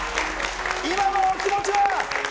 今のお気持ちは？